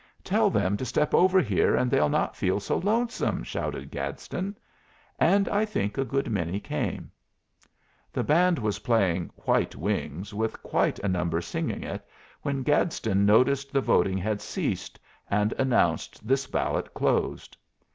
"Tell them to step over here and they'll not feel so lonesome!" shouted Gadsden; and I think a good many came. The band was playing "White Wings," with quite a number singing it, when Gadsden noticed the voting had ceased, and announced this ballot closed.